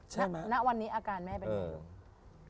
ใช่ไหมณวันนี้อาการแม่เป็นยังไง